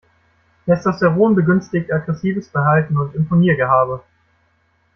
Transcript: Testosteron begünstigt aggressives Verhalten und Imponiergehabe.